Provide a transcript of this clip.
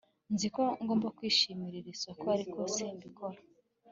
Nzi ko ngomba kwishimira iri somo ariko simbikora